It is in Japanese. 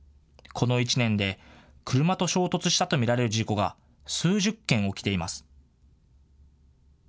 この１年で車と衝突したと見られる事故が数十件、起きています。